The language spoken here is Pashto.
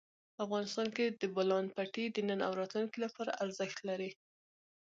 افغانستان کې د بولان پټي د نن او راتلونکي لپاره ارزښت لري.